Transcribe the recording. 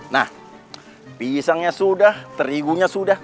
nah pisangnya sudah terigunya sudah